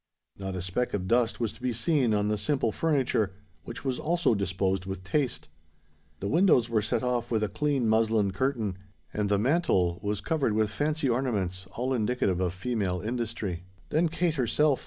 Not a speck of dust was to be seen on the simple furniture, which was also disposed with taste: the windows were set off with a clean muslin curtain; and the mantel was covered with fancy ornaments all indicative of female industry. Then Kate herself!